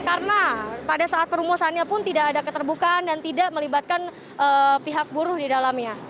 karena pada saat perumusannya pun tidak ada keterbukaan dan tidak melibatkan pihak buruh di dalamnya